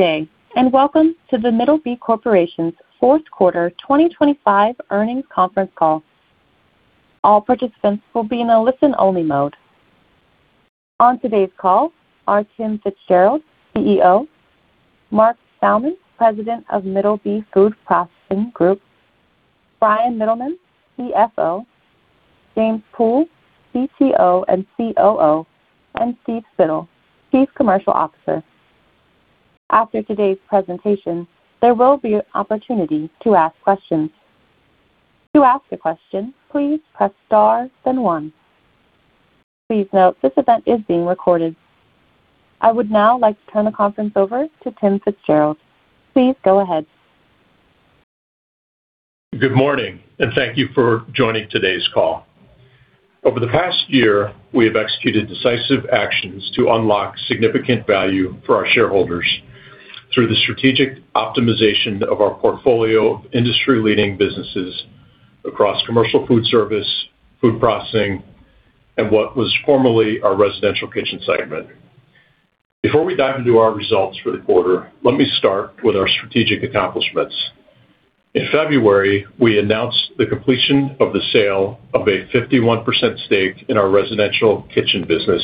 Good day, and welcome to the Middleby Corporation's fourth quarter 2025 earnings conference call. All participants will be in a listen-only mode. On today's call are Tim FitzGerald, CEO, Mark Salman, President of Middleby Food Processing Group, Bryan Mittelman, CFO, James Pool, CTO and COO, and Steve Spittle, Chief Commercial Officer. After today's presentation, there will be an opportunity to ask questions. To ask a question, please press star, then one. Please note, this event is being recorded. I would now like to turn the conference over to Tim FitzGerald. Please go ahead. Good morning, and thank you for joining today's call. Over the past year, we have executed decisive actions to unlock significant value for our shareholders through the strategic optimization of our portfolio of industry-leading businesses across Commercial Foodservice, Food Processing, and what was formerly our Residential Kitchen segment. Before we dive into our results for the quarter, let me start with our strategic accomplishments. In February, we announced the completion of the sale of a 51% stake in our Residential Kitchen business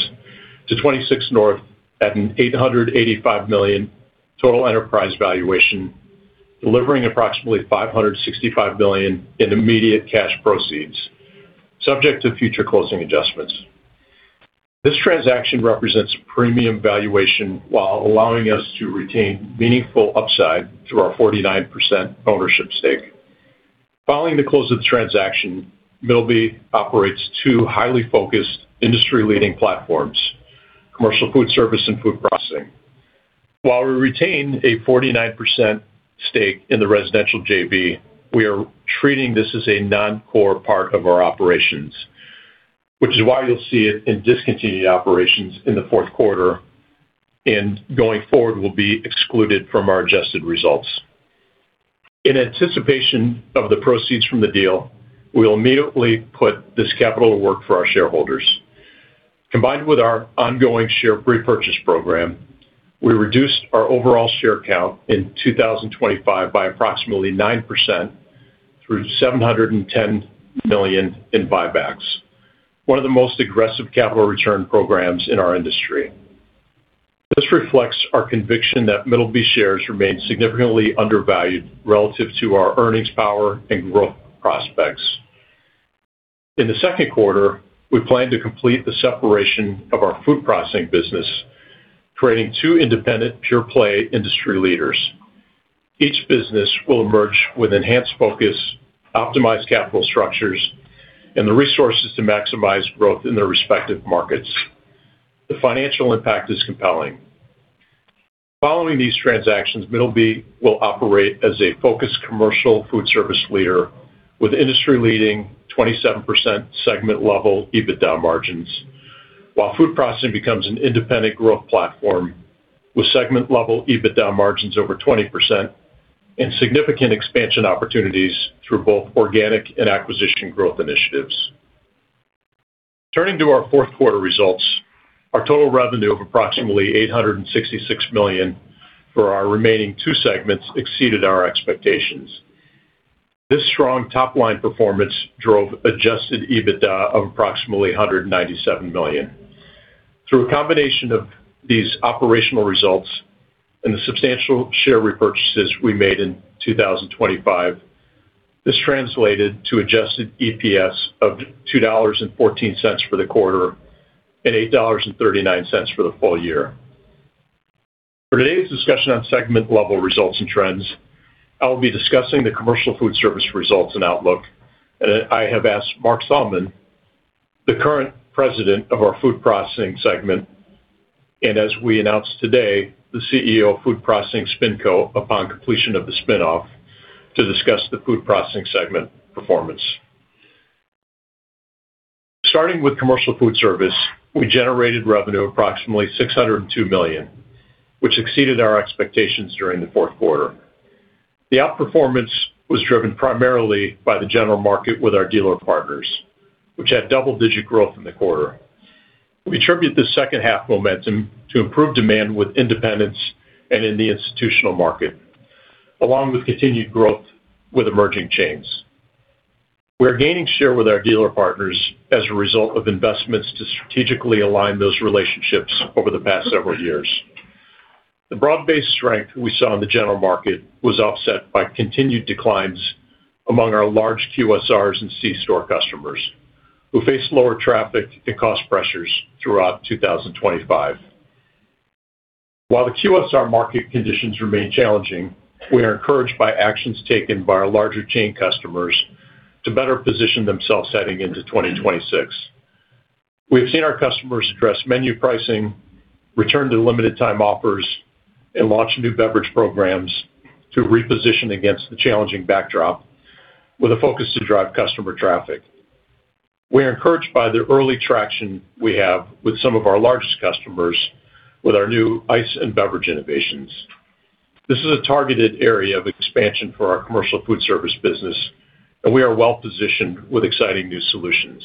to 26North at an $885 million total enterprise valuation, delivering approximately $565 million in immediate cash proceeds, subject to future closing adjustments. This transaction represents a premium valuation while allowing us to retain meaningful upside through our 49% ownership stake. Following the close of the transaction, Middleby operates two highly focused, industry-leading platforms, Commercial Foodservice and Food Processing. While we retain a 49% stake in the residential JV, we are treating this as a non-core part of our operations, which is why you'll see it in discontinued operations in the fourth quarter, and going forward, will be excluded from our adjusted results. In anticipation of the proceeds from the deal, we will immediately put this capital to work for our shareholders. Combined with our ongoing share repurchase program, we reduced our overall share count in 2025 by approximately 9% through $710 million in buybacks, one of the most aggressive capital return programs in our industry. This reflects our conviction that Middleby shares remain significantly undervalued relative to our earnings power and growth prospects. In the second quarter, we plan to complete the separation of our Food Processing business, creating two independent, pure-play industry leaders. Each business will emerge with enhanced focus, optimized capital structures, and the resources to maximize growth in their respective markets. The financial impact is compelling. Following these transactions, Middleby will operate as a focused Commercial Foodservice leader with industry-leading 27% segment-level EBITDA margins, while Food Processing becomes an independent growth platform with segment-level EBITDA margins over 20% and significant expansion opportunities through both organic and acquisition growth initiatives. Turning to our fourth quarter results, our total revenue of approximately $866 million for our remaining two segments exceeded our expectations. This strong top-line performance drove adjusted EBITDA of approximately $197 million. Through a combination of these operational results and the substantial share repurchases we made in 2025, this translated to adjusted EPS of $2.14 for the quarter and $8.39 for the full year. For today's discussion on segment-level results and trends, I will be discussing the Commercial Foodservice results and outlook. I have asked Mark Salman, the current President of our Food Processing segment, and as we announced today, the CEO of Food Processing SpinCo, upon completion of the spin-off, to discuss the Food Processing segment performance. Starting with Commercial Foodservice, we generated revenue approximately $602 million, which exceeded our expectations during the fourth quarter. The outperformance was driven primarily by the general market with our dealer partners, which had double-digit growth in the quarter. We attribute the second half momentum to improved demand with independents and in the institutional market, along with continued growth with emerging chains. We are gaining share with our dealer partners as a result of investments to strategically align those relationships over the past several years. The broad-based strength we saw in the general market was offset by continued declines among our large QSRs and C-store customers, who faced lower traffic and cost pressures throughout 2025. While the QSR market conditions remain challenging, we are encouraged by actions taken by our larger chain customers to better position themselves heading into 2026. We have seen our customers address menu pricing, return to limited time offers, and launch new beverage programs to reposition against the challenging backdrop with a focus to drive customer traffic. We are encouraged by the early traction we have with some of our largest customers with our new ice and beverage innovations. This is a targeted area of expansion for our Commercial Foodservice business. We are well-positioned with exciting new solutions.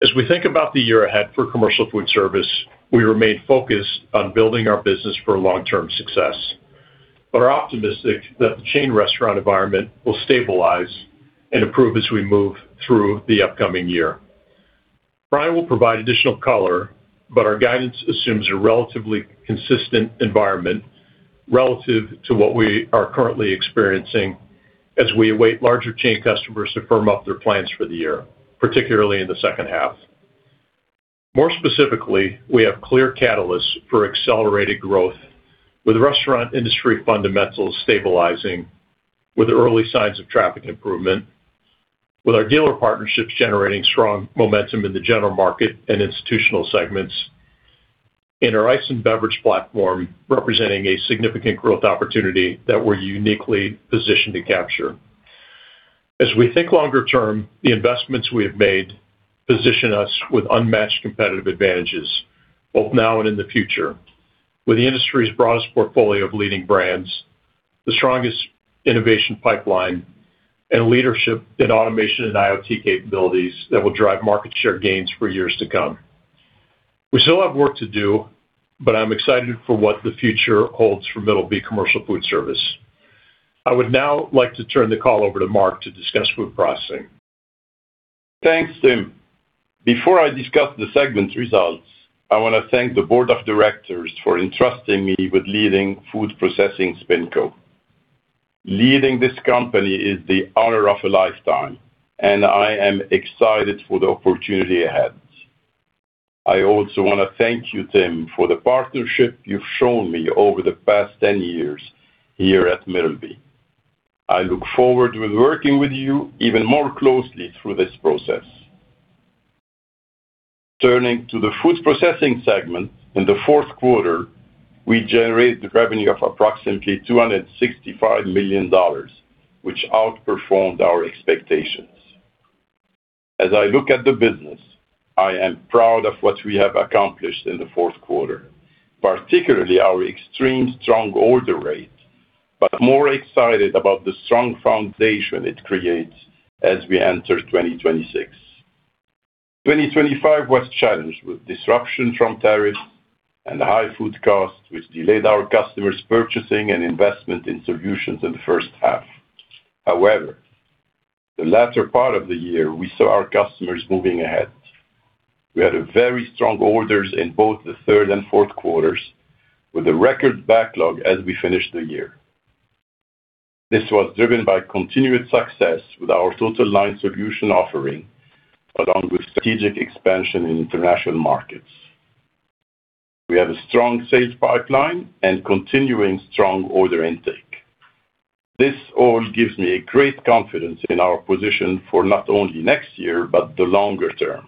As we think about the year ahead for Commercial Foodservice, we remain focused on building our business for long-term success. We are optimistic that the chain restaurant environment will stabilize and improve as we move through the upcoming year. Bryan will provide additional color. Our guidance assumes a relatively consistent environment relative to what we are currently experiencing as we await larger chain customers to firm up their plans for the year, particularly in the second half. More specifically, we have clear catalysts for accelerated growth, with restaurant industry fundamentals stabilizing, with early signs of traffic improvement, with our dealer partnerships generating strong momentum in the general market and institutional segments, and our ice and beverage platform representing a significant growth opportunity that we're uniquely positioned to capture. As we think longer term, the investments we have made position us with unmatched competitive advantages, both now and in the future, with the industry's broadest portfolio of leading brands, the strongest innovation pipeline, and leadership in automation and IoT capabilities that will drive market share gains for years to come. We still have work to do, but I'm excited for what the future holds for Middleby Commercial Foodservice. I would now like to turn the call over to Mark to discuss Food Processing. Thanks, Tim. Before I discuss the segment results, I want to thank the board of directors for entrusting me with leading Food Processing SpinCo. Leading this company is the honor of a lifetime, I am excited for the opportunity ahead. I also want to thank you, Tim, for the partnership you've shown me over the past 10 years here at Middleby. I look forward to working with you even more closely through this process. Turning to the Food Processing segment, in the fourth quarter, we generated revenue of approximately $265 million, which outperformed our expectations. As I look at the business, I am proud of what we have accomplished in the fourth quarter, particularly our extreme strong order rate, more excited about the strong foundation it creates as we enter 2026. 2025 was challenged with disruption from tariffs and high food costs, which delayed our customers' purchasing and investment in solutions in the first half. The latter part of the year, we saw our customers moving ahead. We had a very strong orders in both the third and fourth quarters, with a record backlog as we finished the year. This was driven by continued success with our Total Line Solutions offering, along with strategic expansion in international markets. We have a strong sales pipeline and continuing strong order intake. This all gives me a great confidence in our position for not only next year, but the longer term.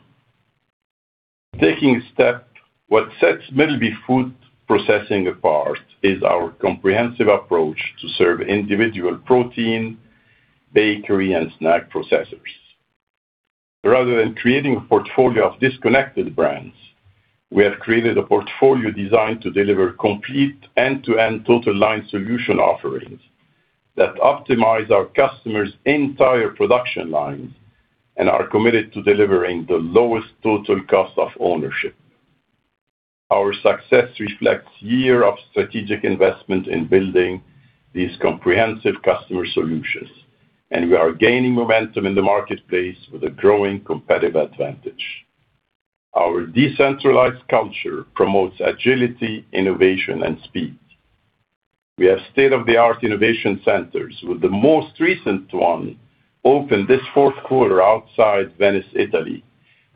Taking a step, what sets Middleby Food Processing apart is our comprehensive approach to serve individual protein, bakery, and snack processors. Rather than creating a portfolio of disconnected brands, we have created a portfolio designed to deliver complete end-to-end Total Line Solutions offerings that optimize our customers' entire production lines and are committed to delivering the lowest total cost of ownership. Our success reflects year of strategic investment in building these comprehensive customer solutions, and we are gaining momentum in the marketplace with a growing competitive advantage. Our decentralized culture promotes agility, innovation, and speed. We have state-of-the-art innovation centers, with the most recent one opened this fourth quarter outside Venice, Italy,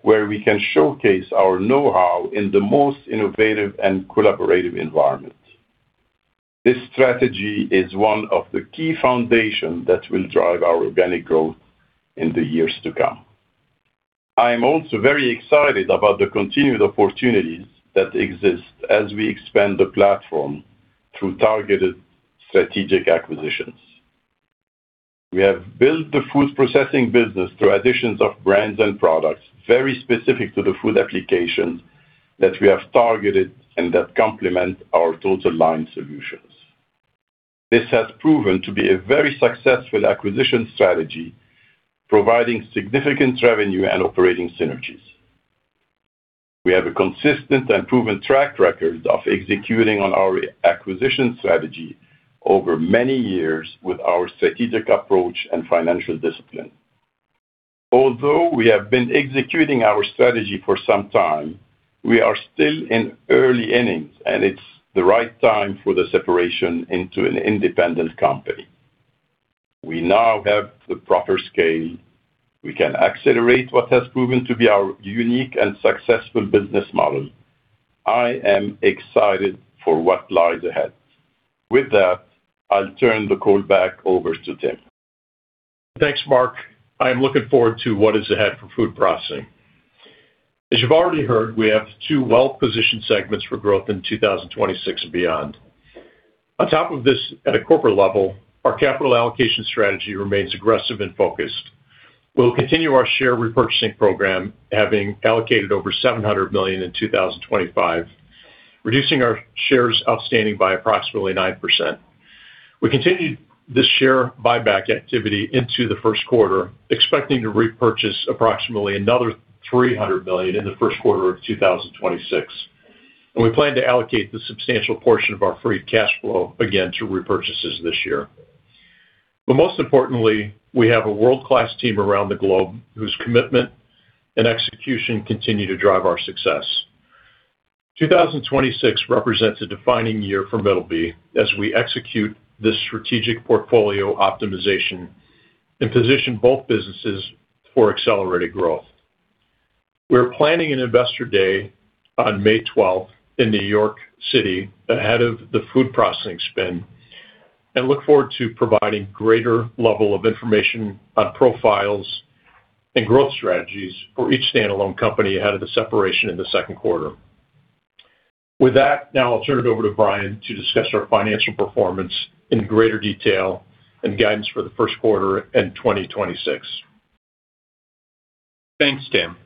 where we can showcase our know-how in the most innovative and collaborative environment. This strategy is one of the key foundation that will drive our organic growth in the years to come. I am also very excited about the continued opportunities that exist as we expand the platform through targeted strategic acquisitions. We have built the Food Processing business through additions of brands and products very specific to the food application that we have targeted and that complement our Total Line Solutions. This has proven to be a very successful acquisition strategy, providing significant revenue and operating synergies. We have a consistent and proven track record of executing on our acquisition strategy over many years with our strategic approach and financial discipline. Although we have been executing our strategy for some time, we are still in early innings, and it's the right time for the separation into an independent company. We now have the proper scale. We can accelerate what has proven to be our unique and successful business model. I am excited for what lies ahead. With that, I'll turn the call back over to Tim. Thanks, Mark. I am looking forward to what is ahead for Food Processing. As you've already heard, we have two well-positioned segments for growth in 2026 and beyond. On top of this, at a corporate level, our capital allocation strategy remains aggressive and focused. We'll continue our share repurchasing program, having allocated over $700 million in 2025, reducing our shares outstanding by approximately 9%. We continued this share buyback activity into the first quarter, expecting to repurchase approximately another $300 million in the first quarter of 2026. We plan to allocate the substantial portion of our free cash flow again to repurchases this year. Most importantly, we have a world-class team around the globe, whose commitment and execution continue to drive our success. 2026 represents a defining year for Middleby as we execute this strategic portfolio optimization and position both businesses for accelerated growth. We're planning an Investor Day on May 12th in New York City, ahead of the Food Processing spin, and look forward to providing greater level of information on profiles and growth strategies for each standalone company ahead of the separation in the second quarter. With that, now I'll turn it over to Bryan to discuss our financial performance in greater detail and guidance for the first quarter and 2026. Thanks, Tim.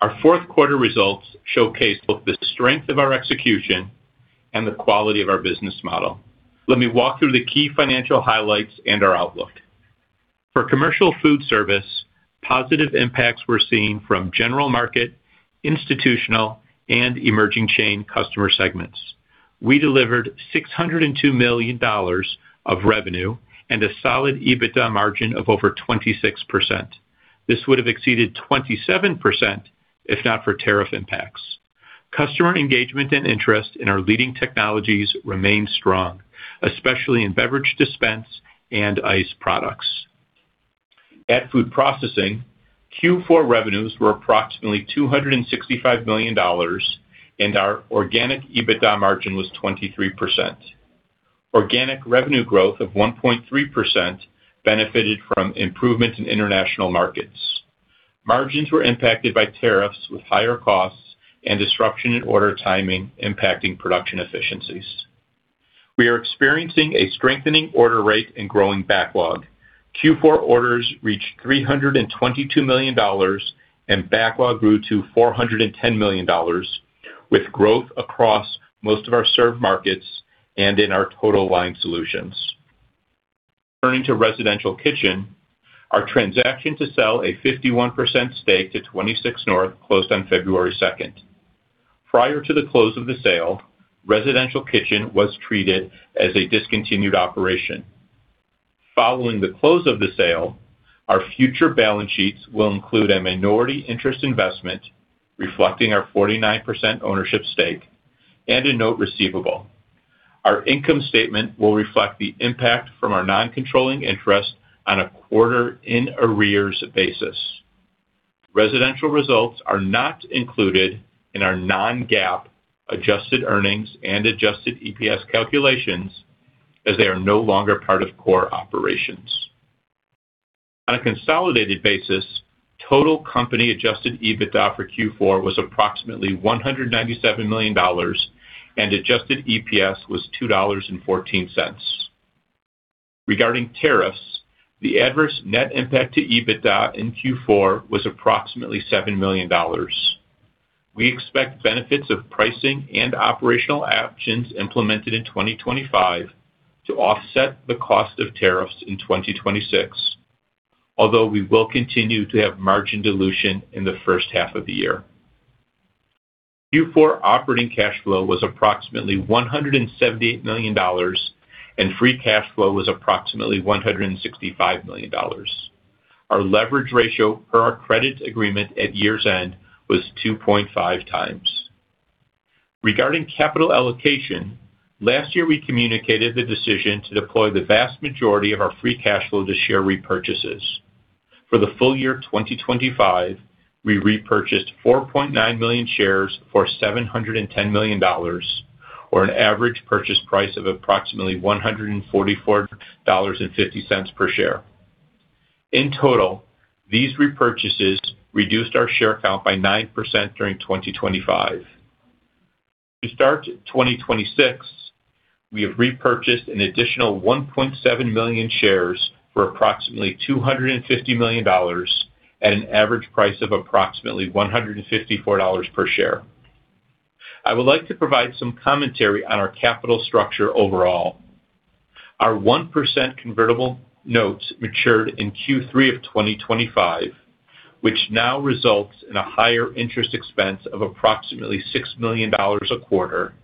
Our fourth quarter results showcase both the strength of our execution and the quality of our business model. Let me walk through the key financial highlights and our outlook. For Middleby Commercial Foodservice, positive impacts were seen from general market, institutional, and emerging chain customer segments. We delivered $602 million of revenue and a solid EBITDA margin of over 26%. This would have exceeded 27%, if not for tariff impacts. Customer engagement and interest in our leading technologies remain strong, especially in beverage dispense and ice products. At Middleby Food Processing, Q4 revenues were approximately $265 million, and our organic EBITDA margin was 23%. Organic revenue growth of 1.3% benefited from improvements in international markets. Margins were impacted by tariffs with higher costs and disruption in order timing impacting production efficiencies. We are experiencing a strengthening order rate and growing backlog. Q4 orders reached $322 million, and backlog grew to $410 million, with growth across most of our served markets and in our Total Line Solutions. Turning to Residential Kitchen, our transaction to sell a 51% stake to 26North closed on February 2nd. Prior to the close of the sale, Residential Kitchen was treated as a discontinued operation. Following the close of the sale, our future balance sheets will include a minority interest investment, reflecting our 49% ownership stake and a note receivable. Our income statement will reflect the impact from our non-controlling interest on a quarter in arrears basis. Residential results are not included in our non-GAAP adjusted earnings and adjusted EPS calculations, as they are no longer part of core operations. On a consolidated basis, total company adjusted EBITDA for Q4 was approximately $197 million, and adjusted EPS was $2.14. Regarding tariffs, the adverse net impact to EBITDA in Q4 was approximately $7 million. We expect benefits of pricing and operational actions implemented in 2025 to offset the cost of tariffs in 2026, although we will continue to have margin dilution in the first half of the year. Q4 operating cash flow was approximately $178 million, and free cash flow was approximately $165 million. Our leverage ratio per our credit agreement at year's end was 2.5x. Regarding capital allocation, last year, we communicated the decision to deploy the vast majority of our free cash flow to share repurchases. For the full year 2025, we repurchased 4.9 million shares for $710 million, or an average purchase price of approximately $144.50 per share. In total, these repurchases reduced our share count by 9% during 2025. To start 2026, we have repurchased an additional 1.7 million shares for approximately $250 million at an average price of approximately $154 per share. I would like to provide some commentary on our capital structure overall. Our 1% convertible notes matured in Q3 of 2025, which now results in a higher interest expense of approximately $6 million a quarter.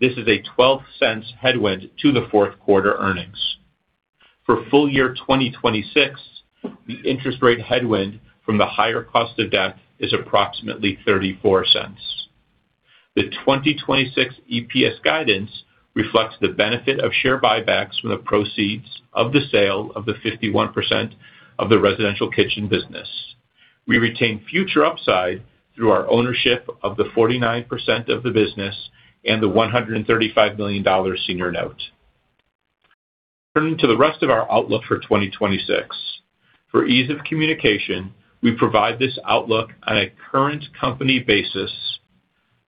This is a $0.12 headwind to the fourth quarter earnings. For full year 2026, the interest rate headwind from the higher cost of debt is approximately $0.34. The 2026 EPS guidance reflects the benefit of share buybacks from the proceeds of the sale of the 51% of the Residential Kitchen business. We retain future upside through our ownership of the 49% of the business and the $135 million senior note. Turning to the rest of our outlook for 2026. For ease of communication, we provide this outlook on a current company basis,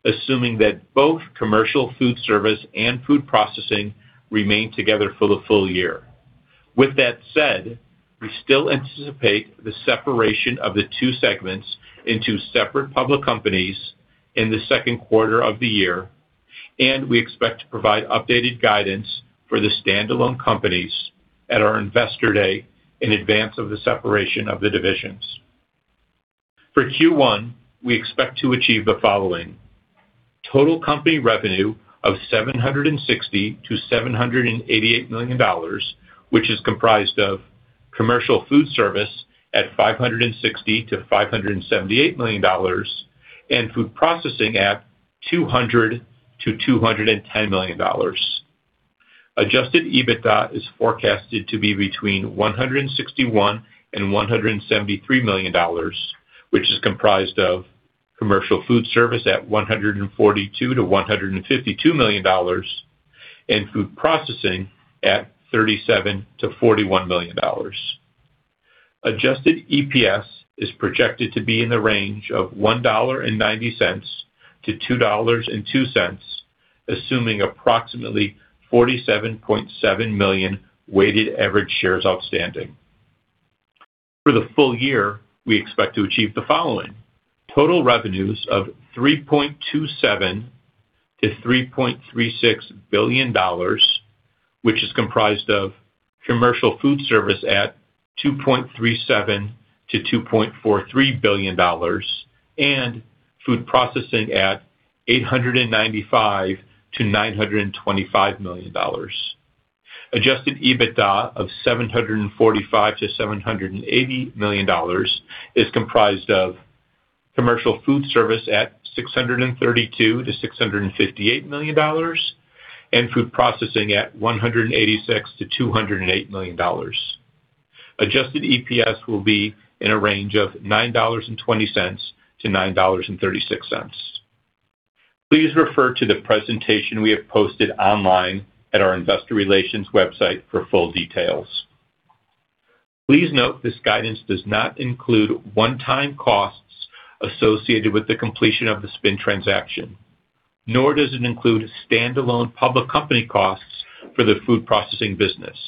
assuming that both Commercial Foodservice and Food Processing remain together for the full year. With that said, we still anticipate the separation of the two segments into separate public companies in the second quarter of the year, and we expect to provide updated guidance for the standalone companies at our Investor Day in advance of the separation of the divisions. For Q1, we expect to achieve the following: Total company revenue of $760 million-$788 million, which is comprised of Commercial Foodservice at $560 million-$578 million, and Food Processing at $200 million-$210 million. Adjusted EBITDA is forecasted to be between $161 million and $173 million, which is comprised of Commercial Foodservice at $142 million-$152 million, and Food Processing at $37 million-$41 million. Adjusted EPS is projected to be in the range of $1.90-$2.02, assuming approximately 47.7 million weighted average shares outstanding. For the full year, we expect to achieve the following: Total revenues of $3.27 billion-$3.36 billion, which is comprised of Commercial Foodservice at $2.37 billion-$2.43 billion and Food Processing at $895 million-$925 million. Adjusted EBITDA of $745 million-$780 million is comprised of Commercial Foodservice at $632 million-$658 million and Food Processing at $186 million-$208 million. Adjusted EPS will be in a range of $9.20-$9.36. Please refer to the presentation we have posted online at our investor relations website for full details. Please note this guidance does not include one-time costs associated with the completion of the spin transaction, nor does it include standalone public company costs for the Food Processing business.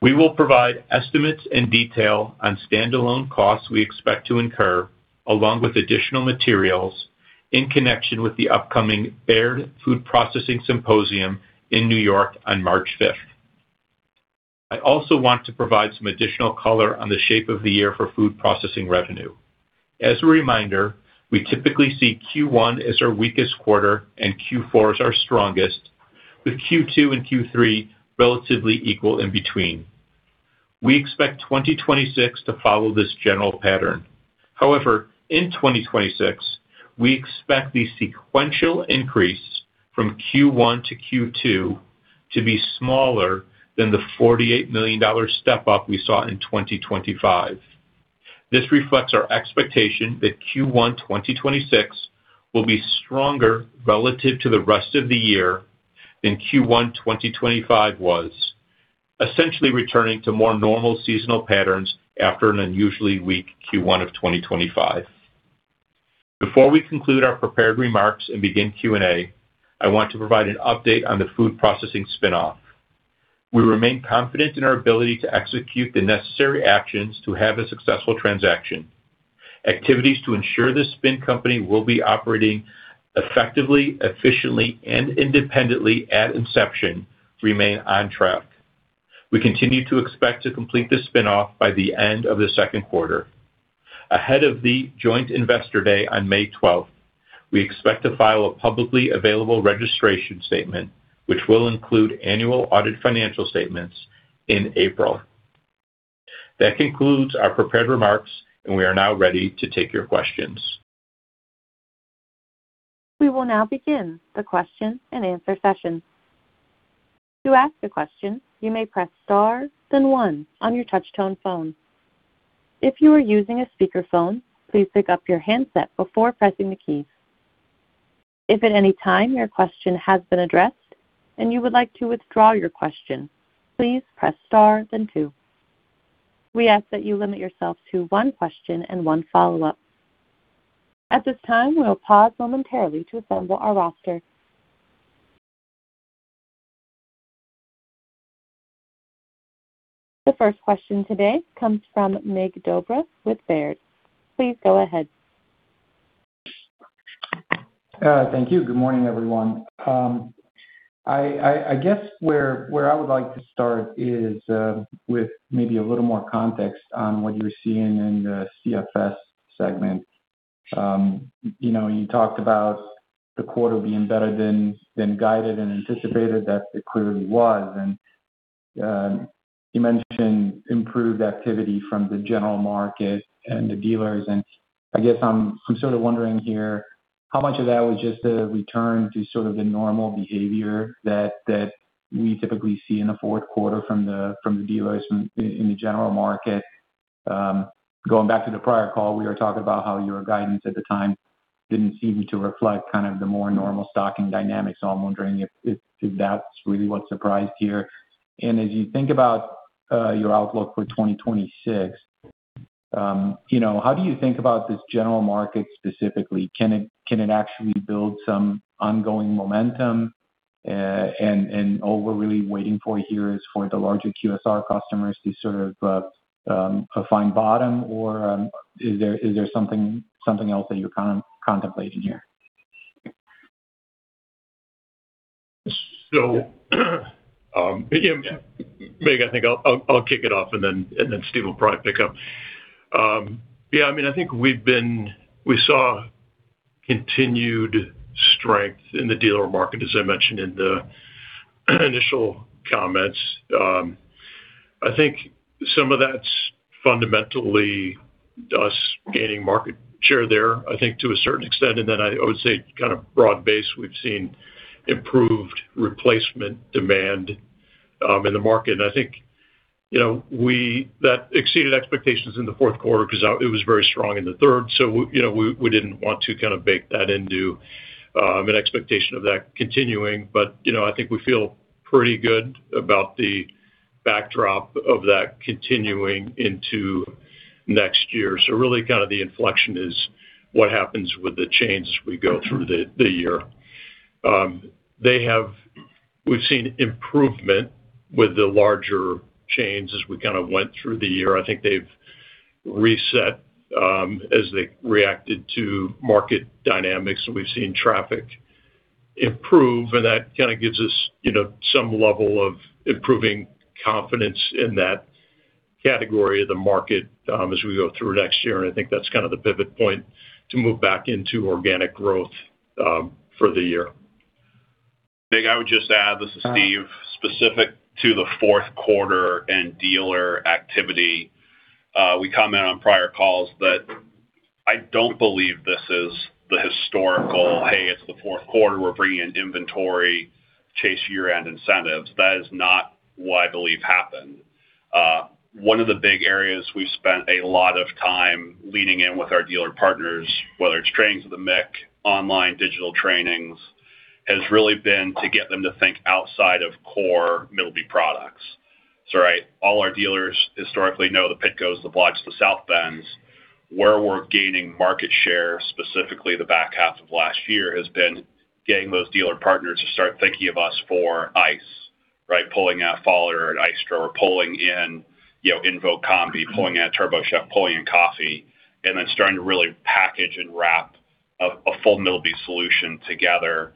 We will provide estimates and detail on standalone costs we expect to incur, along with additional materials in connection with the upcoming Baird Food Processing Symposium in New York on March 5th. I also want to provide some additional color on the shape of the year for Food Processing revenue. As a reminder, we typically see Q1 as our weakest quarter and Q4 as our strongest, with Q2 and Q3 relatively equal in between. We expect 2026 to follow this general pattern. However, in 2026, we expect the sequential increase from Q1 to Q2 to be smaller than the $48 million step up we saw in 2025. This reflects our expectation that Q1 2026 will be stronger relative to the rest of the year than Q1 2025 was, essentially returning to more normal seasonal patterns after an unusually weak Q1 of 2025. Before we conclude our prepared remarks and begin Q&A, I want to provide an update on the Food Processing spinoff. We remain confident in our ability to execute the necessary actions to have a successful transaction. Activities to ensure the spin company will be operating effectively, efficiently, and independently at inception remain on track. We continue to expect to complete the spinoff by the end of the second quarter. Ahead of the joint Investor Day on May 12th, we expect to file a publicly available registration statement, which will include annual audit financial statements in April. That concludes our prepared remarks. We are now ready to take your questions. We will now begin the question and answer session. To ask a question, you may press star, then one on your touch-tone phone. If you are using a speakerphone, please pick up your handset before pressing the key. If at any time your question has been addressed and you would like to withdraw your question, please press star then two. We ask that you limit yourself to one question and one follow-up. At this time, we'll pause momentarily to assemble our roster. The first question today comes from Mircea Dobre with Baird. Please go ahead. Thank you. Good morning, everyone. I guess where I would like to start is with maybe a little more context on what you're seeing in the CFS segment. You know, you talked about the quarter being better than guided and anticipated that it clearly was. You mentioned improved activity from the general market and the dealers. I guess I'm sort of wondering here, how much of that was just a return to sort of the normal behavior that we typically see in the fourth quarter from the dealers in the general market? Going back to the prior call, we were talking about how your guidance at the time didn't seem to reflect kind of the more normal stocking dynamics. I'm wondering if that's really what surprised here. As you think about your outlook for 2026, you know, how do you think about this general market specifically? Can it actually build some ongoing momentum? And all we're really waiting for here is for the larger QSR customers to sort of find bottom, or is there something else that you're contemplating here? Mircea, I think I'll kick it off, and then Steve will probably pick up. Yeah, I mean, I think we saw continued strength in the dealer market, as I mentioned in the initial comments. I think some of that's fundamentally us gaining market share there, I think to a certain extent, and then I would say kind of broad-based, we've seen improved replacement demand in the market. I think, you know, that exceeded expectations in the fourth quarter because it was very strong in the third. You know, we didn't want to kind of bake that into an expectation of that continuing. You know, I think we feel pretty good about the backdrop of that continuing into next year. Really, kind of the inflection is what happens with the chains as we go through the year. We've seen improvement with the larger chains as we kind of went through the year. I think they've reset as they reacted to market dynamics, and we've seen traffic improve, and that kind of gives us, you know, some level of improving confidence in that category of the market as we go through next year. I think that's kind of the pivot point to move back into organic growth for the year. Mircea, I would just add, this is Steve. Specific to the fourth quarter and dealer activity, we commented on prior calls that I don't believe this is the historical, "Hey, it's the fourth quarter. We're bringing in inventory, chase year-end incentives." That is not what I believe happened. One of the big areas we've spent a lot of time leaning in with our dealer partners, whether it's trainings at the MIK, online digital trainings, has really been to get them to think outside of core Middleby products. Right, all our dealers historically know the Pitcos, the Blodgetts, the Southbends. Where we're gaining market share, specifically the back half of last year, has been getting those dealer partners to start thinking of us for ice, right? Pulling out Follett and Icetro, or pulling in, you know, Invoq Combi, pulling in TurboChef, pulling in coffee, and then starting to really package and wrap a full Middleby solution together.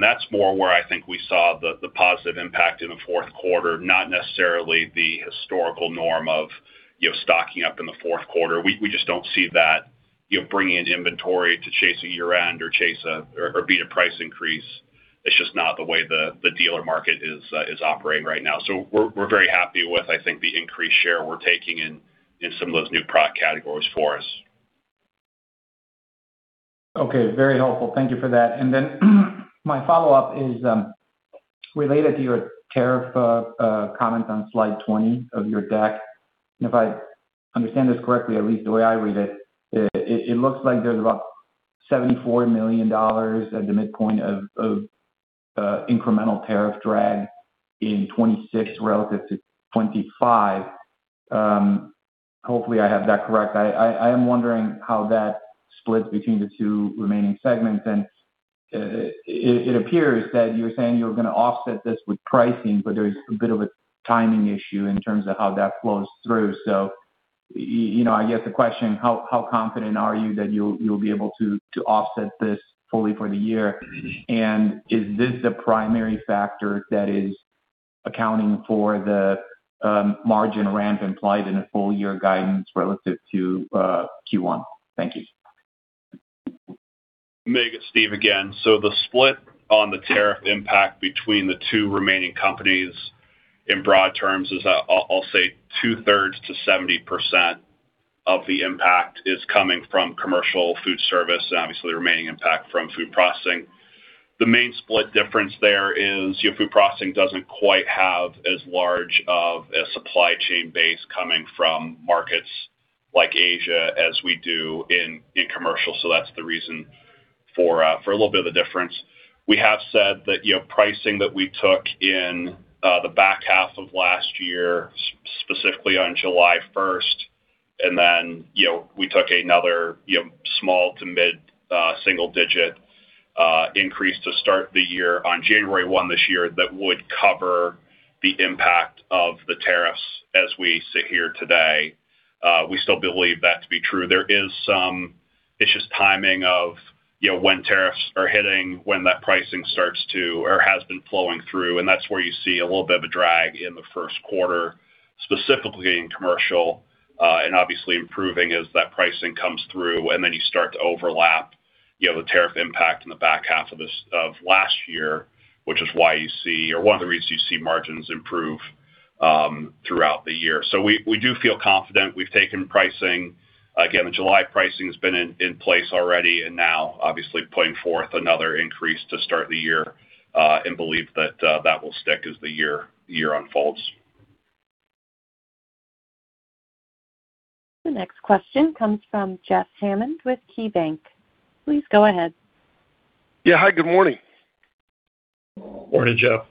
That's more where I think we saw the positive impact in the fourth quarter, not necessarily the historical norm of, you know, stocking up in the fourth quarter. We just don't see that, you know, bringing in inventory to chase a year-end or chase or beat a price increase. It's just not the way the dealer market is operating right now. We're very happy with, I think, the increased share we're taking in some of those new product categories for us. Okay, very helpful. Thank you for that. My follow-up is related to your tariff comment on slide 20 of your deck. If I understand this correctly, at least the way I read it looks like there's about $74 million at the midpoint of incremental tariff drag in 2026 relative to 2025. Hopefully, I have that correct. I am wondering how that splits between the two remaining segments. It appears that you're saying you're going to offset this with pricing, but there's a bit of a timing issue in terms of how that flows through. You know, I guess the question: how confident are you that you'll be able to offset this fully for the year? Is this the primary factor that is accounting for the margin ramp implied in the full year guidance relative to Q1? Thank you. Mircea, it's Steve again. The split on the tariff impact between the two remaining companies, in broad terms, is, I'll say 2/3 to 70% of the impact is coming from Commercial Foodservice, and obviously, the remaining impact from Food Processing. The main split difference there is, your Food Processing doesn't quite have as large of a supply chain base coming from markets like Asia as we do in commercial. That's the reason for a little bit of the difference. We have said that, you know, pricing that we took in the back half of last year, specifically on July 1st, and then, you know, we took another, you know, small to mid, single digit, increase to start the year on January 1 this year, that would cover the impact of the tariffs as we sit here today. We still believe that to be true. There is some, it's just timing of, you know, when tariffs are hitting, when that pricing starts to or has been flowing through, and that's where you see a little bit of a drag in the first quarter, specifically in commercial, and obviously improving as that pricing comes through. Then you start to overlap, you have a tariff impact in the back half of last year, which is why you see, or one of the reasons you see margins improve throughout the year. We, we do feel confident. We've taken pricing. Again, the July pricing has been in place already, and now obviously putting forth another increase to start the year, and believe that will stick as the year, the year unfolds. The next question comes from Jeff Hammond with KeyBank. Please go ahead. Yeah. Hi, good morning. Morning, Jeff.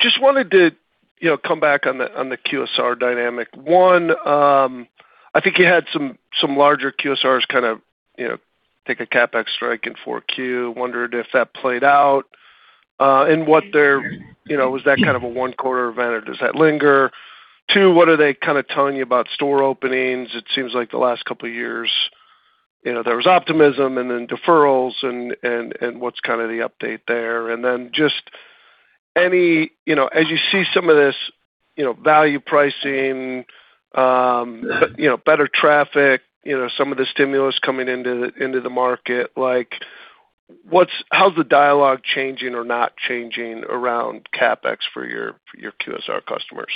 Just wanted to, you know, come back on the QSR dynamic. One, I think you had some larger QSRs kind of, you know, take a CapEx strike in 4Q. Wondered if that played out, and what their, you know, was that kind of a one-quarter event, or does that linger? Two, what are they kind of telling you about store openings? It seems like the last couple of years, you know, there was optimism and then deferrals and what's kind of the update there? Just any, you know, as you see some of this, you know, value pricing, you know, better traffic, you know, some of the stimulus coming into the market, like, how's the dialogue changing or not changing around CapEx for your QSR customers?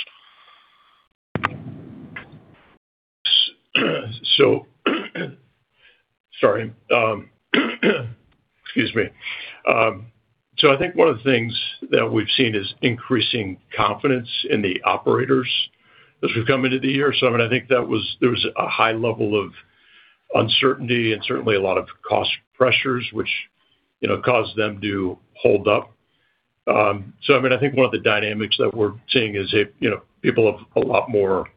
Sorry. Excuse me. I think one of the things that we've seen is increasing confidence in the operators as we've come into the year. I mean, I think that was there was a high level of uncertainty and certainly a lot of cost pressures, which, you know, caused them to hold up. I mean, I think one of the dynamics that we're seeing is it, you know, people have a lot more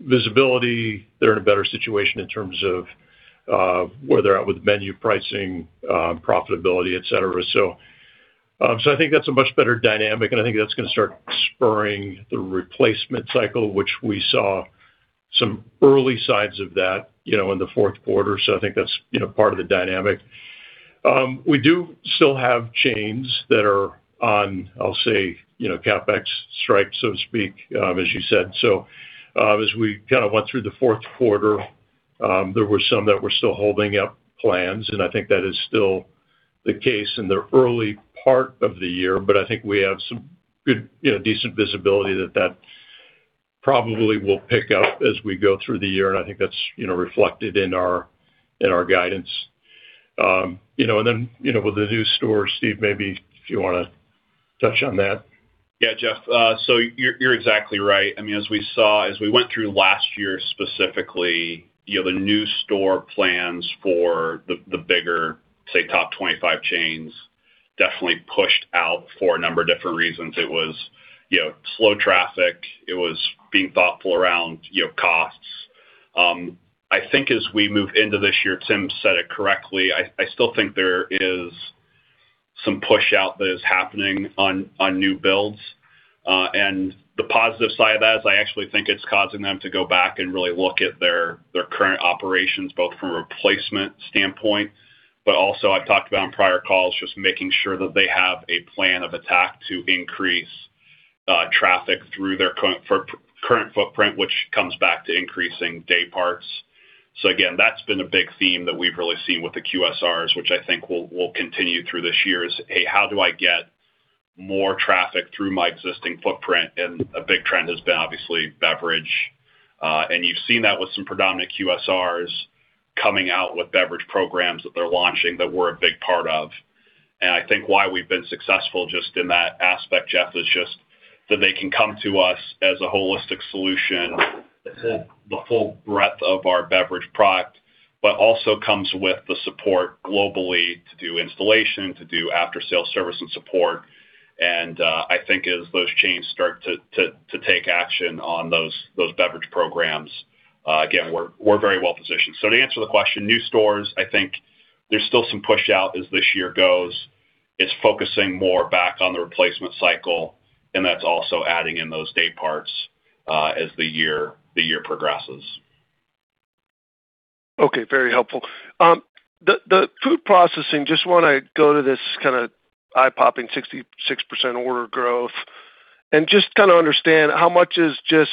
visibility. They're in a better situation in terms of where they're at with menu pricing, profitability, et cetera. I think that's a much better dynamic, and I think that's gonna start spurring the replacement cycle, which we saw some early signs of that, you know, in the fourth quarter. I think that's, you know, part of the dynamic. We do still have chains that are on, I'll say, you know, CapEx strike, so to speak, as you said. As we kind of went through the fourth quarter, there were some that were still holding up plans, and I think that is still the case in the early part of the year. I think we have some good, you know, decent visibility that probably will pick up as we go through the year, and I think that's, you know, reflected in our, in our guidance. You know, and then, you know, with the new stores, Steve, maybe if you wanna touch on that. Jeff, you're exactly right. I mean, as we saw as we went through last year, specifically, you know, the new store plans for the bigger, say, top 25 chains definitely pushed out for a number of different reasons. It was, you know, slow traffic. It was being thoughtful around, you know, costs. I think as we move into this year, Tim said it correctly, I still think there is some push-out that is happening on new builds. The positive side of that is I actually think it's causing them to go back and really look at their current operations, both from a replacement standpoint, but also I've talked about on prior calls, just making sure that they have a plan of attack to increase traffic through their current footprint, which comes back to increasing day parts. Again, that's been a big theme that we've really seen with the QSRs, which I think will continue through this year, is, Hey, how do I get more traffic through my existing footprint? A big trend has been obviously beverage, and you've seen that with some predominant QSRs coming out with beverage programs that they're launching that we're a big part of. I think why we've been successful just in that aspect, Jeff, is just that they can come to us as a holistic solution, the full breadth of our beverage product, but also comes with the support globally to do installation, to do after-sale service and support. I think as those chains start to take action on those beverage programs, again, we're very well positioned. To answer the question, new stores, I think there's still some push-out as this year goes. It's focusing more back on the replacement cycle, and that's also adding in those day parts, as the year progresses. Okay, very helpful. The Food Processing, just wanna go to this kind of eye-popping 66% order growth and just kind of understand, how much is just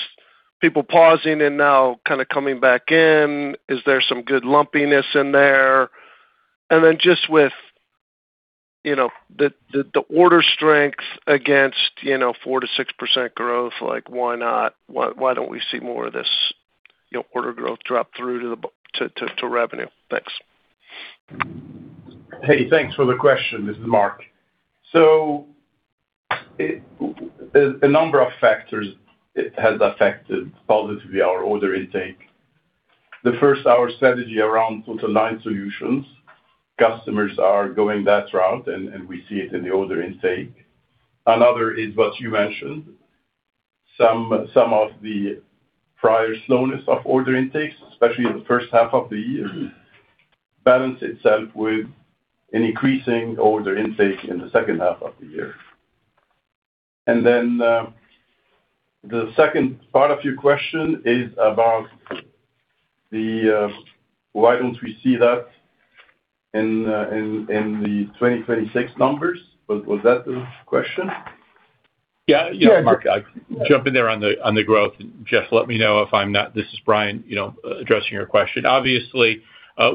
people pausing and now kind of coming back in? Is there some good lumpiness in there? Just with, you know, the order strength against, you know, 4%-6% growth, like, why not? Why, why don't we see more of this, you know, order growth drop through to revenue? Thanks. Hey, thanks for the question. This is Mark. A number of factors has affected positively our order intake. The first, our strategy around Total Line Solutions. Customers are going that route, and we see it in the order intake. Another is what you mentioned, some of the prior slowness of order intakes, especially in the first half of the year, balance itself with an increasing order intake in the second half of the year. The second part of your question is about the why don't we see that in the 2026 numbers? Was that the question? Yeah, Mark, I'll jump in there on the growth. Jeff, let me know. This is Bryan, you know, addressing your question. Obviously,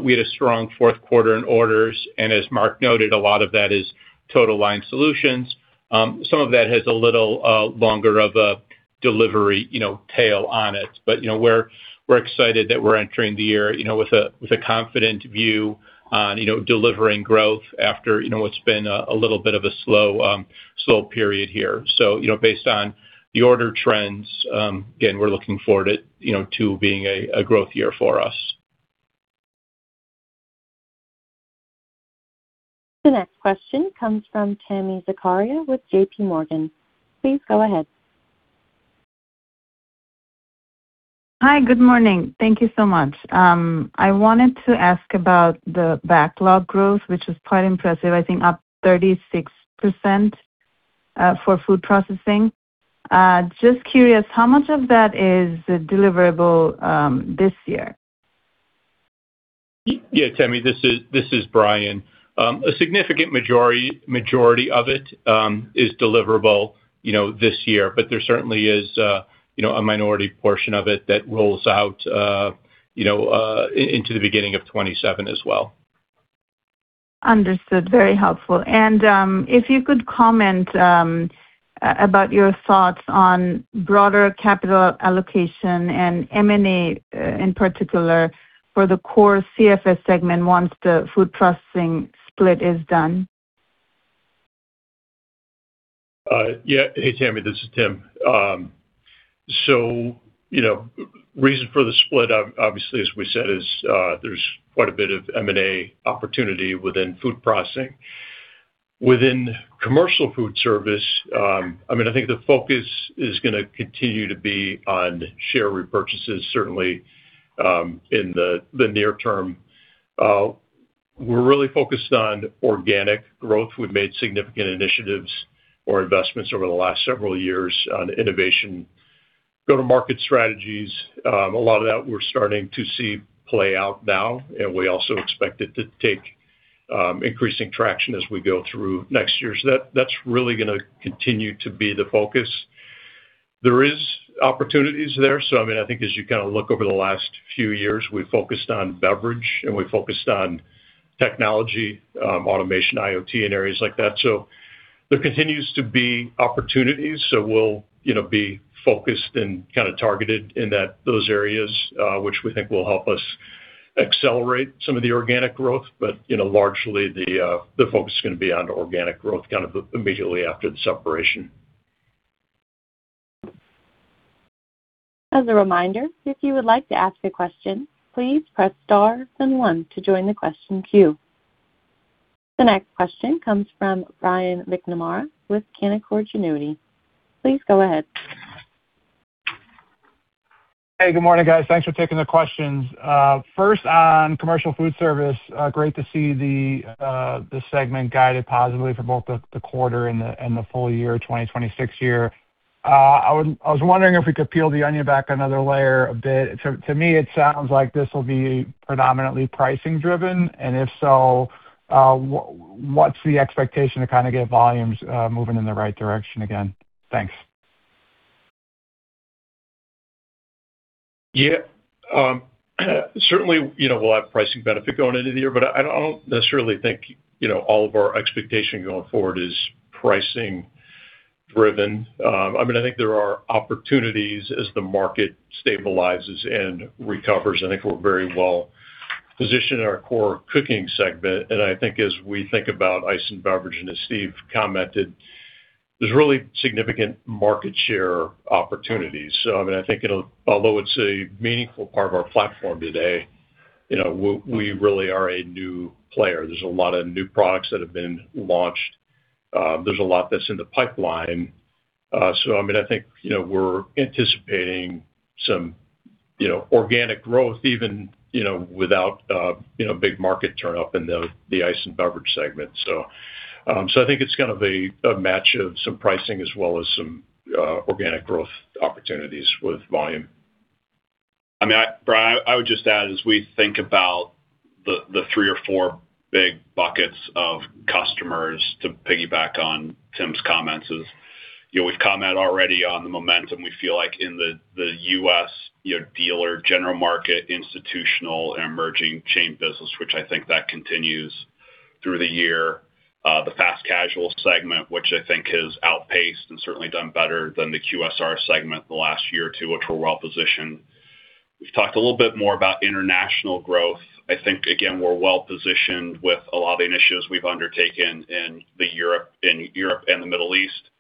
we had a strong fourth quarter in orders, and as Mark noted, a lot of that is Total Line Solutions. Some of that has a little longer of a delivery, you know, tail on it. You know, we're excited that we're entering the year, you know, with a confident view on, you know, delivering growth after, you know, what's been a little bit of a slow period here. You know, based on the order trends, again, we're looking forward it, you know, to being a growth year for us. The next question comes from Tami Zakaria with J.P. Morgan. Please go ahead. Hi, good morning. Thank you so much. I wanted to ask about the backlog growth, which is quite impressive, I think up 36%, for Food Processing. Just curious, how much of that is deliverable this year? Yeah, Tami, this is Bryan. A significant majority of it is deliverable, you know, this year, but there certainly is, you know, a minority portion of it that rolls out, you know, into the beginning of 2027 as well. Understood. Very helpful. If you could comment about your thoughts on broader capital allocation and M&A in particular for the core CFS segment, once the Food Processing split is done. Yeah. Hey, Tami, this is Tim. You know, reason for the split, obviously, as we said, is, there's quite a bit of M&A opportunity within Food Processing. Within Commercial Foodservice, I mean, I think the focus is going to continue to be on share repurchases, certainly, in the near term. We're really focused on organic growth. We've made significant initiatives or investments over the last several years on innovation, go-to-market strategies. A lot of that we're starting to see play out now, and we also expect it to take increasing traction as we go through next year. That's really going to continue to be the focus. There is opportunities there. I mean, I think as you kind of look over the last few years, we've focused on beverage, and we've focused on technology, automation, IoT, and areas like that. There continues to be opportunities, so we'll, you know, be focused and kind of targeted in those areas, which we think will help us accelerate some of the organic growth. You know, largely the focus is gonna be on organic growth kind of immediately after the separation. As a reminder, if you would like to ask a question, please press star, then one to join the question queue. The next question comes from Brian McNamara with Canaccord Genuity. Please go ahead. Hey, good morning, guys. Thanks for taking the questions. First, on Commercial Foodservice, great to see the segment guided positively for both the quarter and the full year, 2026 year. I was wondering if we could peel the onion back another layer a bit. To me, it sounds like this will be predominantly pricing driven, and if so, what's the expectation to kind of get volumes, moving in the right direction again? Thanks. Certainly, you know, we'll have pricing benefit going into the year. I don't, I don't necessarily think, you know, all of our expectation going forward is pricing driven. I mean, I think there are opportunities as the market stabilizes and recovers. I think we're very well positioned in our core cooking segment. I think as we think about ice and beverage, and as Steve commented, there's really significant market share opportunities. I mean, I think it'll, although it's a meaningful part of our platform today, you know, we really are a new player. There's a lot of new products that have been launched. There's a lot that's in the pipeline. I mean, I think, you know, we're anticipating some, you know, organic growth even, you know, without, you know, big market turnup in the ice and beverage segment. I think it's gonna be a match of some pricing as well as some, organic growth opportunities with volume. I mean, Brian, I would just add, as we think about the three or four big buckets of customers, to piggyback on Tim's comments, is, you know, we've commented already on the momentum we feel like in the U.S., you know, dealer, general market, institutional, and emerging chain business, which I think that continues through the year. The fast casual segment, which I think has outpaced and certainly done better than the QSR segment in the last year or two, which we're well positioned. We've talked a little bit more about international growth. I think, again, we're well positioned with a lot of the initiatives we've undertaken in Europe and the Middle East.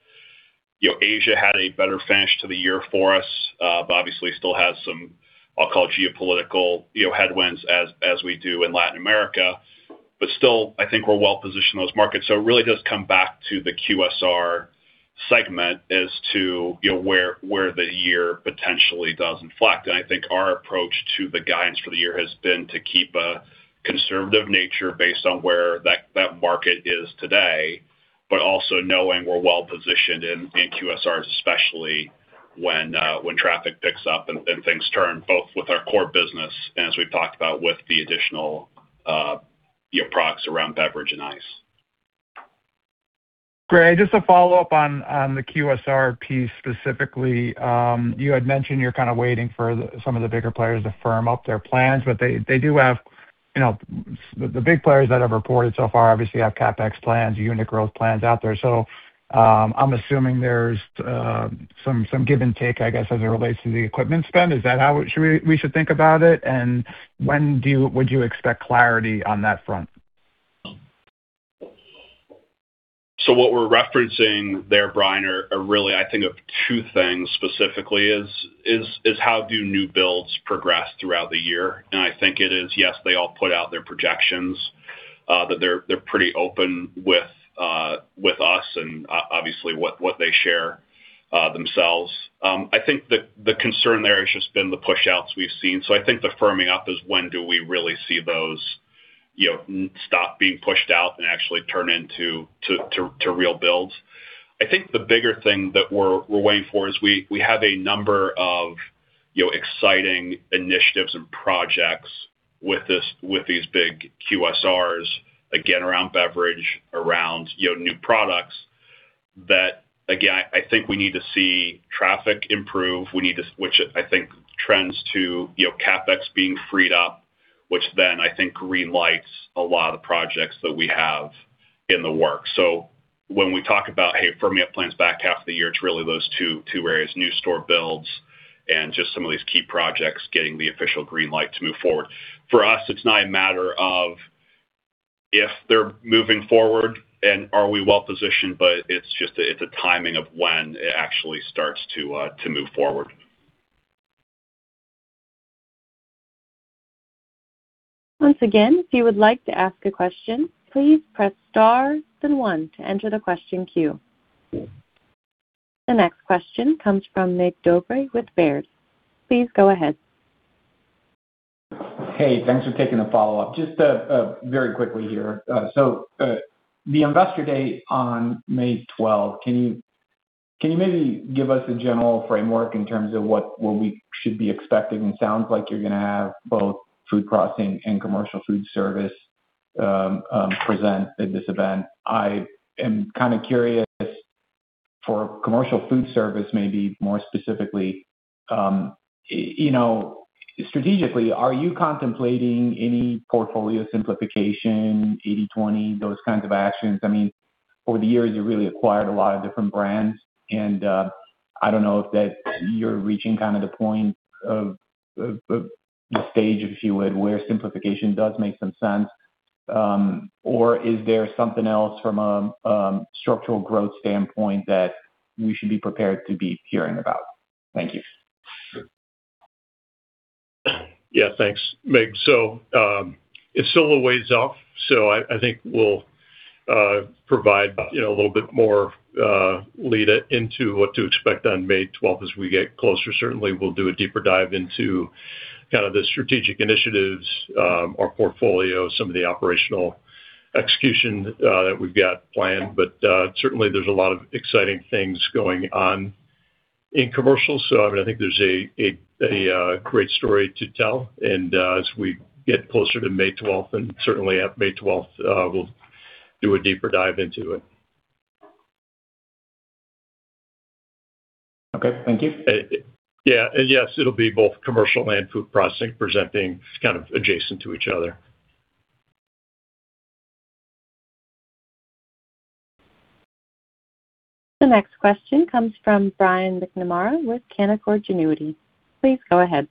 You know, Asia had a better finish to the year for us, but obviously still has some, I'll call, geopolitical, you know, headwinds as we do in Latin America. Still, I think we're well positioned in those markets. It really does come back to the QSR segment as to, you know, where the year potentially does inflect. I think our approach to the guidance for the year has been to keep a conservative nature based on where that market is today, but also knowing we're well positioned in QSR, especially when traffic picks up and things turn, both with our core business, and as we've talked about, with the additional, you know, products around beverage and ice. Great. Just to follow up on the QSR piece specifically, you had mentioned you're kind of waiting for some of the bigger players to firm up their plans, but they do have, you know. The big players that have reported so far obviously have CapEx plans, unit growth plans out there. I'm assuming there's some give and take, I guess, as it relates to the equipment spend. Is that how we should think about it? When do you expect clarity on that front? What we're referencing there, Brian, are really, I think, of two things specifically, is how do new builds progress throughout the year? I think it is, yes, they all put out their projections that they're pretty open with us and obviously, what they share themselves. I think the concern there has just been the push outs we've seen. I think the firming up is when do we really see those, you know, stop being pushed out and actually turn into real builds? I think the bigger thing that we're waiting for is we have a number of, you know, exciting initiatives and projects with these big QSRs, again, around beverage, around, you know, new products, that, again, I think we need to see traffic improve. We need to... I think trends to, you know, CapEx being freed up, which then I think greenlights a lot of the projects that we have in the works. When we talk about, hey, firming up plans back half of the year, it's really those two areas, new store builds and just some of these key projects getting the official green light to move forward. For us, it's not a matter of if they're moving forward and are we well positioned, but it's just a, it's a timing of when it actually starts to move forward. Once again, if you would like to ask a question, please press star, then one to enter the question queue. The next question comes from Mircea Dobre with Baird. Please go ahead. Hey, thanks for taking the follow-up. Just very quickly here. The Investor Day on May 12th, can you maybe give us a general framework in terms of what we should be expecting? It sounds like you're gonna have both Food Processing and Commercial Foodservice present at this event. I am kind of curious for Commercial Foodservice, maybe more specifically. You know, strategically, are you contemplating any portfolio simplification, 80/20, those kinds of actions? I mean, over the years, you really acquired a lot of different brands, and I don't know if that you're reaching kind of the point of the stage, if you would, where simplification does make some sense. Is there something else from a structural growth standpoint that we should be prepared to be hearing about? Thank you. Yeah, thanks, Mircea. It's still a ways off, so I think we'll provide, you know, a little bit more lead into what to expect on May 12th as we get closer. Certainly, we'll do a deeper dive into kind of the strategic initiatives, our portfolio, some of the operational execution that we've got planned. Certainly there's a lot of exciting things going on in commercial. I mean, I think there's a great story to tell. As we get closer to May 12th and certainly at May 12th, we'll do a deeper dive into it. Okay. Thank you. Yeah. Yes, it'll be both Commercial and Food Processing, presenting kind of adjacent to each other. The next question comes from Brian McNamara with Canaccord Genuity. Please go ahead.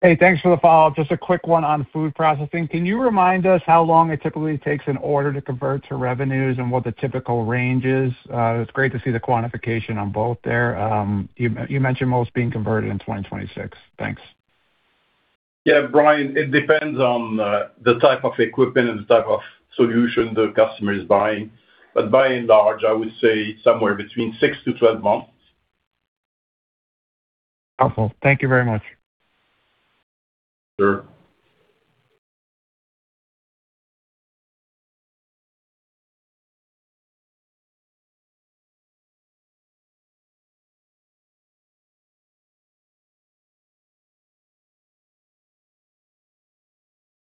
Hey, thanks for the follow-up. Just a quick one on Food Processing. Can you remind us how long it typically takes an order to convert to revenues and what the typical range is? It's great to see the quantification on both there. You mentioned most being converted in 2026. Thanks. Yeah, Brian, it depends on the type of equipment and the type of solution the customer is buying. By and large, I would say somewhere between six to 12 months. Awesome. Thank you very much. Sure.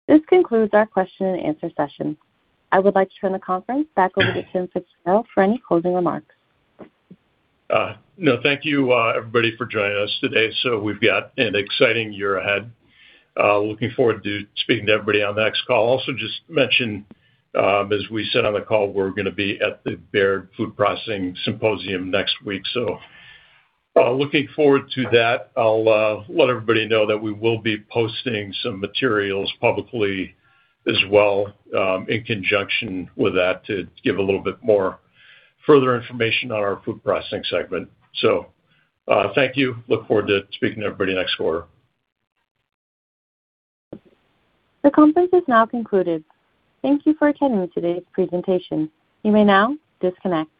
This concludes our question and answer session. I would like to turn the conference back over to Tim FitzGerald for any closing remarks. No, thank you, everybody, for joining us today. We've got an exciting year ahead. Looking forward to speaking to everybody on the next call. Also, just mention, as we said on the call, we're gonna be at the Baird Food Processing Symposium next week, so looking forward to that. I'll let everybody know that we will be posting some materials publicly as well, in conjunction with that, to give a little bit more further information on our Food Processing segment. Thank you. Look forward to speaking to everybody next quarter. The conference is now concluded. Thank you for attending today's presentation. You may now disconnect.